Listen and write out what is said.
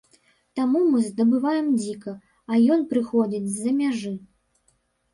Таму мы здабываем дзіка, а ён прыходзіць з-за мяжы.